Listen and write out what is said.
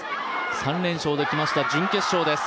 ３連勝できました、準決勝です。